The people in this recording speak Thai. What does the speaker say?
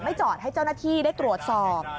จอดให้เจ้าหน้าที่ได้ตรวจสอบ